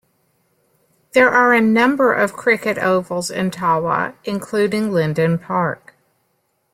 There are a number of Cricket ovals in Tawa, including Linden Park.